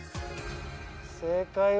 正解は。